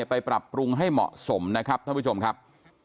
ไปปรับปรุงให้เหมาะสมนะครับท่านผู้ชมครับ